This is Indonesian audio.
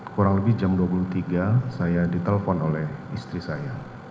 kurang lebih jam dua puluh tiga saya ditelepon oleh istri saya